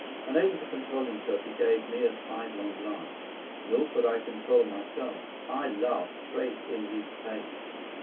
Unable to control himself, he gave me a sidelong glance. Nor could I control myself. I laughed straight in his face.